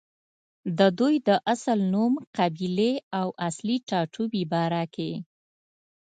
ددوي د اصل نوم، قبيلې او اصلي ټاټوبې باره کښې